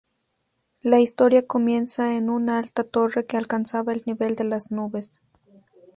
La historia comienza en una alta torre que alcanzaba el nivel de las nubes.